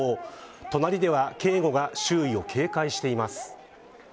隣では警護が周囲を警戒しています。